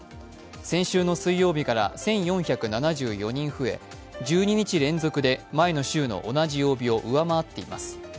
先週の水曜日から１４７４人増え１２日連続で前の週の同じ曜日を上回っています。